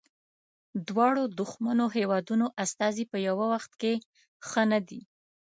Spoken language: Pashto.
دواړو دښمنو هیوادونو استازي په یوه وخت کې ښه نه دي.